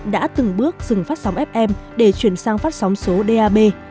đã từng bước dừng phát sóng fm để chuyển sang phát sóng số dab